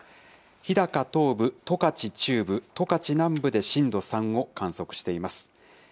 日高東部、十勝中部、十勝南部で震度３を観測しています。